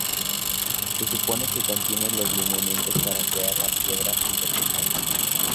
Se supone que contiene los lineamientos para crear la Piedra filosofal.